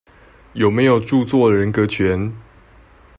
有沒有著作人格權？